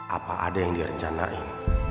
apa ada yang direncanain